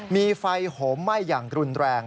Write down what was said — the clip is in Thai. มีไฟโหมไหม้อย่างรุนแรง